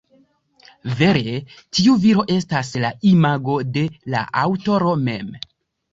Vere tiu viro estas la imago de la aŭtoro mem.